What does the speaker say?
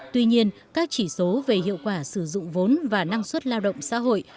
tuy nhiên các chỉ số về hiệu quả sử dụng vốn và năng suất lao động xã hội